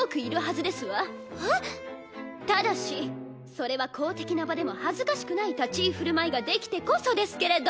ただしそれは公的な場でも恥ずかしくない立ち居振る舞いができてこそですけれど！